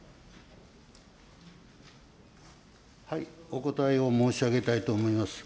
お答えを申し上げたいと思います。